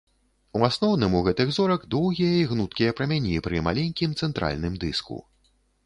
У асноўным у гэтых зорак доўгія і гнуткія прамяні пры маленькім цэнтральным дыску.